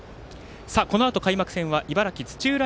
このあと開幕戦は茨城・土浦